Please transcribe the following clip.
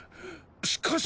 しかし。